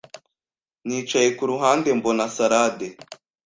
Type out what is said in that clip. Nicaye kuruhande mbona salade